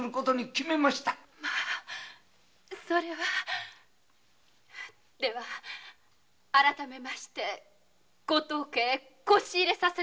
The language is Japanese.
まあそれは。では改めましてご当家へ「こし入れ」させて頂きます。